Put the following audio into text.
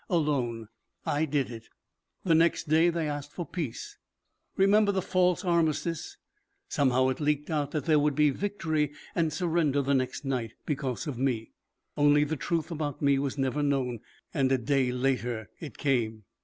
Alone I did it. The next day they asked for peace. Remember the false armistice? Somehow it leaked out that there would be victory and surrender the next night because of me. Only the truth about me was never known. And a day later it came."